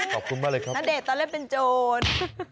มันจริงทุกคนก็ภาพเข้าที่ดู